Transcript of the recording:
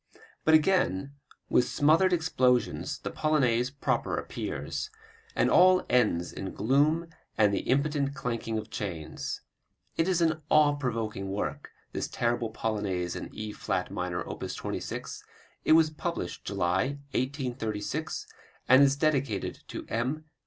But again with smothered explosions the Polonaise proper appears, and all ends in gloom and the impotent clanking of chains. It is an awe provoking work, this terrible Polonaise in E flat minor, op. 26; it was published July, 1836, and is dedicated to M.